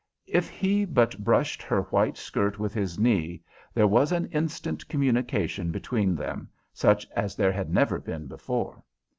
If he but brushed her white skirt with his knee, there was an instant communication between them, such as there had never been before.